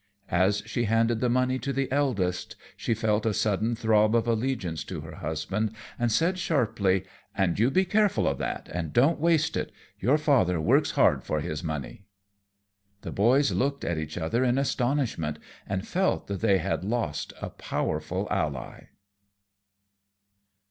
As she handed the money to the eldest, she felt a sudden throb of allegiance to her husband and said sharply, "And you be careful of that, an' don't waste it. Your father works hard for his money." The boys looked at each other in astonishment and felt that they had lost a powerful ally.